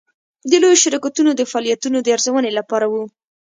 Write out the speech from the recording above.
د لویو شرکتونو د فعالیتونو د ارزونې لپاره وه.